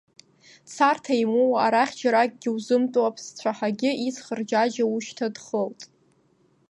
Царҭа умоуа, арахь џьаракгьы узымтәо, Аԥсцәаҳагьы иц хырџьаџьа ушьҭа дхылт.